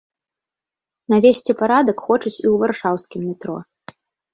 Навесці парадак хочуць і ў варшаўскім метро.